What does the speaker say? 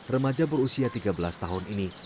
remaja berusia tiga belas tahun ini